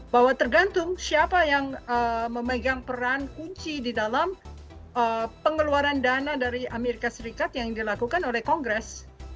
bahwa tergantung siapa yang memegang peran kunci di dalam pengeluaran dana dari amerika serikat yang dilakukan oleh kongres